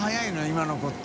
今の子って。